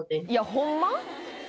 ホンマに？